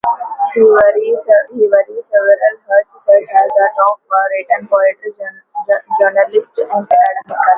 He wore several hats such as that of a writer, poet, journalist and academician.